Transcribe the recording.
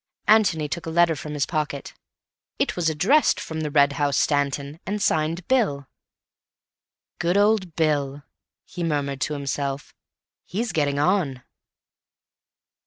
Antony took a letter from his pocket. It was addressed from "The Red House, Stanton," and signed "Bill." "Good old Bill," he murmured to himself. "He's getting on."